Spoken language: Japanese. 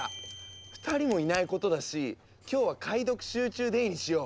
２人もいないことだし今日は解読集中デーにしよう。